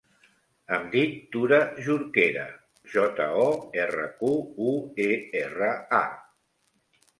Em dic Tura Jorquera: jota, o, erra, cu, u, e, erra, a.